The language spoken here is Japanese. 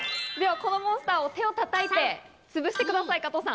このモンスターを手をたたいて潰してください、加藤さん。